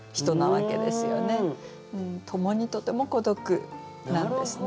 共にとても孤独なんですね。